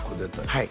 はい